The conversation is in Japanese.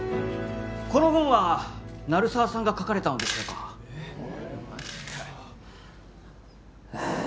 この本は鳴沢さんが書かれたのでしょうか・えっ？